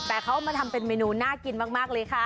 แต่เขามาทำเป็นเมนูน่ากินมากเลยค่ะ